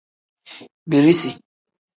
Birisi.